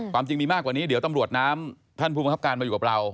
ความจริงมีมากกว่านี้เดี๋ยวตำรวจน้ำท่านผู้บังคับการมาอยู่กับเรา